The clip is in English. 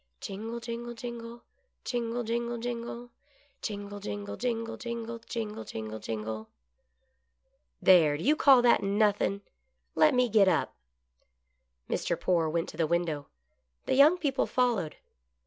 Jingle, jingle, jingle. Jingle, jingle, jingle ; Jingle, jingle, jingle, jifigle, Jmgle, jingle, jingle !" There, do you call that nothin' ? Let me get up." Mr. Poore went to the window. The young people followed.